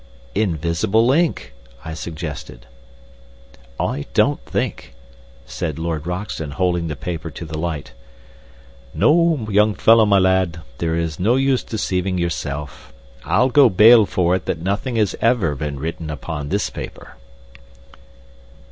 "Invisible ink!" I suggested. "I don't think!" said Lord Roxton, holding the paper to the light. "No, young fellah my lad, there is no use deceiving yourself. I'll go bail for it that nothing has ever been written upon this paper."